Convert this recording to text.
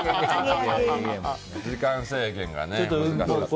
時間制限が難しかったね。